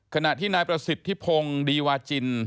ขณะที่นายประสิทธิพงศ์ดีวาจิน